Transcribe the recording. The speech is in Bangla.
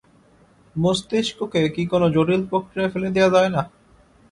মস্তিষ্ককে কি কোনো জটিল প্রক্রিয়ায় ফেলে দেয়া যায় না?